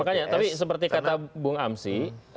makanya tapi seperti kata bung amsi